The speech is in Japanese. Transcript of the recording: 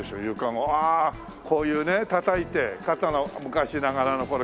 ああこういうねたたいて肩の昔ながらの。